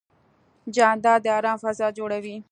جانداد د ارام فضا جوړوي.